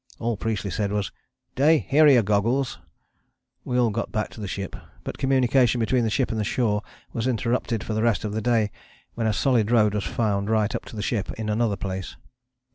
All Priestley said was, 'Day, here are your goggles.' We all got back to the ship, but communication between the ship and the shore was interrupted for the rest of the day, when a solid road was found right up to the ship in another place."